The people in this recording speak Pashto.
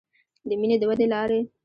د مینې د ودې لارې